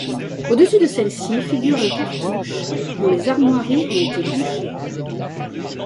Au-dessus de celle-ci, figure un cartouche dont les armoiries ont été bûchées.